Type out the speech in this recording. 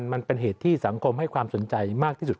มันเป็นเหตุที่สังคมให้ความสนใจมากที่สุด